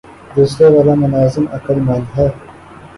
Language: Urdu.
دوسرے والا ملازم عقلمند ہے